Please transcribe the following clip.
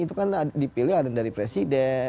itu kan dipilih ada dari presiden